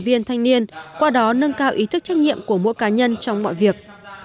viên thanh niên qua đó nâng cao ý thức trách nhiệm của mỗi cá nhân trong mọi việc